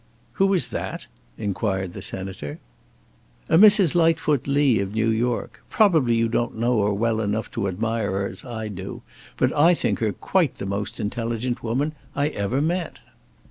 "Who is that?" inquired the Senator. "A Mrs. Lightfoot Lee, of New York. Probably you do not know her well enough to admire her as I do; but I think her quite the most intelligent woman I ever met."